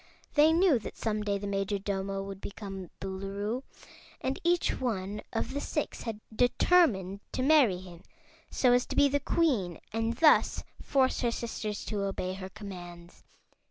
They knew that some day the Majordomo would become Boolooroo, and each one of the six had determined to marry him so as to be the Queen and thus force her sisters to obey her commands.